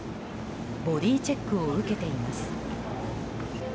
ボディーチェックを受けています。